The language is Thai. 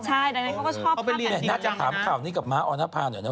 ใช่นั่นก็ก็บอกถ้าร่างถามข่าวนี้กับม้าออนอภาโง่เนาะ